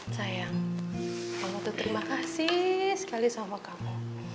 sayang kamu tuh terima kasih sekali sama kamu